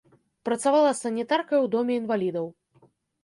Працавала санітаркай у доме інвалідаў.